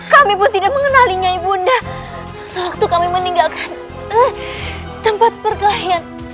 kami pun tidak mengenali nyai bunda suatu kami meninggalkan tempat perkelahian